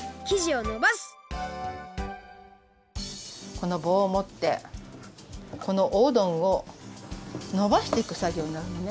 このぼうをもってこのおうどんをのばしていくさぎょうになるのね。